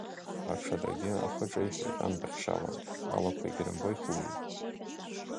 Аҽадагьы ахы ҿеиҳәеит ампахьшьала, алақәа егьрымбо ихылҩеит.